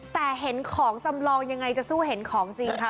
แต่เห็นของจำลองยังไงจะสู้เห็นของจริงคะ